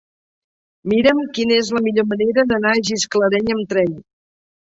Mira'm quina és la millor manera d'anar a Gisclareny amb tren.